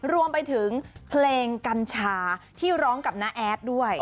รวมไปถึงเพลงกัญชาที่ร้องกับน้าแอดด้วย